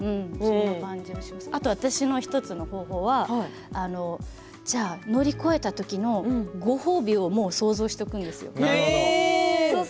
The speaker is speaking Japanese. あと私の１つの方法は乗り越えた時のご褒美を想像しておくんですよ。